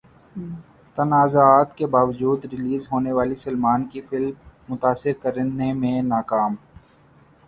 تنازعات کے باوجود ریلیز ہونے والی سلمان کی فلم متاثر کرنے میں ناکام